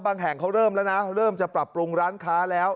แห่งเขาเริ่มแล้วนะเริ่มจะปรับปรุงร้านค้าแล้ว